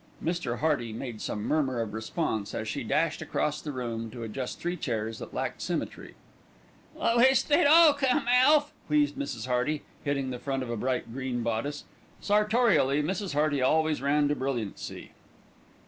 Mr. Hearty made some murmur of response as he dashed across the room to adjust three chairs that lacked symmetry. "I wish they'd come, Alf," wheezed Mrs. Hearty, hitting the front of a bright green bodice. Sartorially Mrs. Hearty always ran to brilliancy.